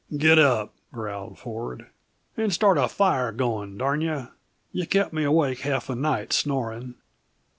"Get up," growled Ford, "and start a fire going, darn you. You kept me awake half the night, snoring.